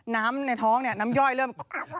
ในท้องเนี่ยน้ำย่อยเริ่ม